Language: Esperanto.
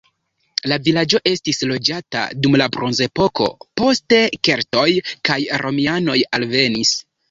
La vilaĝo estis loĝata dum la bronzepoko, poste keltoj kaj romianoj alvenis.